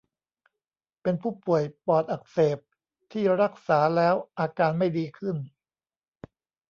เป็นผู้ป่วยปอดอักเสบที่รักษาแล้วอาการไม่ดีขึ้น